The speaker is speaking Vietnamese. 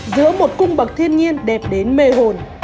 giữa một cung bậc thiên nhiên đẹp đến mê hồn